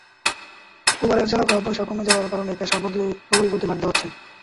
উবারের চালকেরাও পয়সা কমে যাওয়ার কারণে পেশা বদল করতে বাধ্য হচ্ছেন।